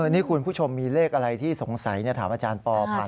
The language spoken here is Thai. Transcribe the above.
นี่คุณผู้ชมมีเลขอะไรที่สงสัยถามอาจารย์ปอผ่าน